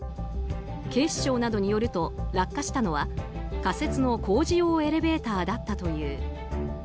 警視庁などによると落下したのは仮設の工事用エレベーターだったという。